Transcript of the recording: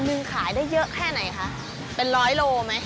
หนึ่งขายได้เยอะแค่ไหนคะเป็นร้อยโลไหม